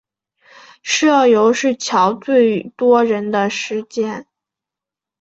社游是乔最多人的时间